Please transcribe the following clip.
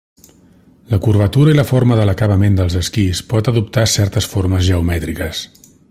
La curvatura i la forma de l'acabament dels esquís pot adoptar certes formes geomètriques.